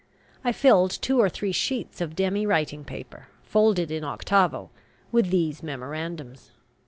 I filled two or three sheets of demy writing paper, folded in octavo, with these memorandums.